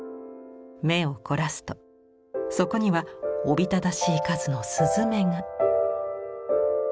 目を凝らすとそこにはおびただしい数の雀が。